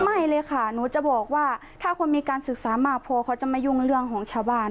ไม่เลยค่ะหนูจะบอกว่าถ้าคนมีการศึกษามากพอเขาจะไม่ยุ่งเรื่องของชาวบ้าน